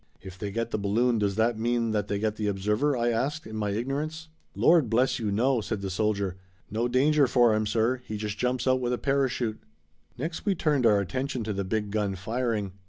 "If they get the balloon does that mean that they get the observer?" I asked in my ignorance. "Lord bless you no," said the soldier. "No danger for 'im, sir. He just jumps out with a parachute." Next we turned our attention to the big gun firing.